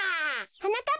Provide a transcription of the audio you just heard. はなかっ